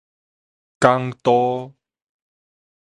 港都